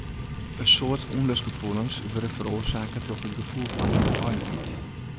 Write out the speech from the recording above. In soad ûnlustgefoelens wurde feroarsake troch it gefoel fan ûnfeilichheid.